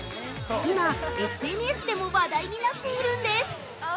今ＳＮＳでも話題になっているんです。